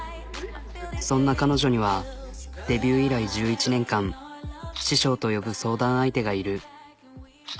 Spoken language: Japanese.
そんな彼女にはデビュー以来１１年間師匠と呼ぶ相談相手がいる。